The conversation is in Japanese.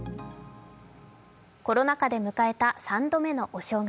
コロナ禍で迎えた３度目のお正月。